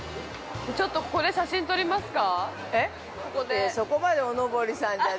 ちょっとここで写真撮りますか。